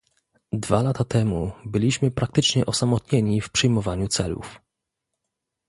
Dwa lata temu byliśmy praktycznie osamotnieni w przyjmowaniu celów